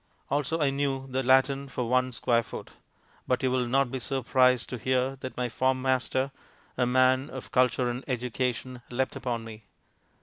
Also I knew the Latin for one square foot. But you will not be surprised to hear that my form master, a man of culture and education, leapt upon me.